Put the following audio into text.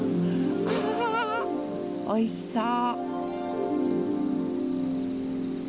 あおいしそう！